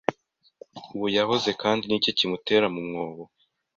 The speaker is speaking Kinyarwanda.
Uwo yahoze kandi ni iki kimutera mu mwobo